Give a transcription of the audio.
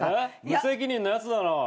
無責任なやつだろ？